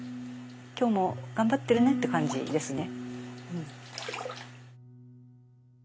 今日も頑張ってるねって感じですね。